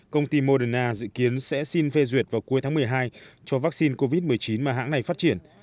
công ty moderna dự kiến sẽ xin phê duyệt vào cuối tháng một mươi hai cho vaccine covid một mươi chín mà hãng này phát triển